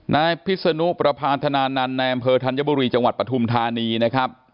นายพิศนุประพานธนานันต์ในอำเภอธัญบุรีจังหวัดปฐุมธานีนะครับ